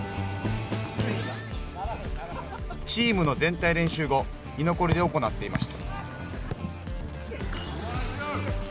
チームの全体練習後居残りで行っていました。